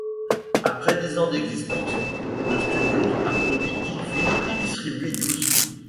Après dix ans d'existence, le studio a produit dix films et distribué douze.